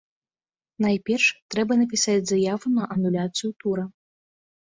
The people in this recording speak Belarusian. Найперш, трэба напісаць заяву на ануляцыю тура.